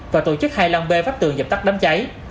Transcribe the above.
và tổ chức hai lăng bê pháp tường dập tắt đám cháy